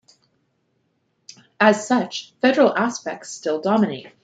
As such, federal aspects still dominate.